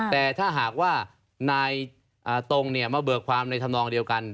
แต่ถ้าหากว่านายตรงมาเบิกความในธรรมนองเดียวกัน